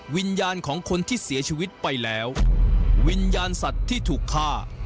วิญญาณของคนที่เสียชีวิตไปแล้ววิญญาณสัตว์ที่ถูกฆ่า